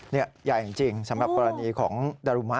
นี่ใหญ่จริงสำหรับกรณีของดารุมะ